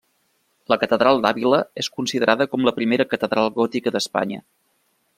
La Catedral d'Àvila és considerada com la primera catedral gòtica d'Espanya.